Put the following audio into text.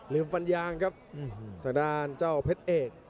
ฟันยางครับทางด้านเจ้าเพชรเอก